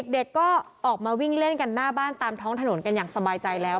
เด็กก็ออกมาวิ่งเล่นกันหน้าบ้านตามท้องถนนกันอย่างสบายใจแล้ว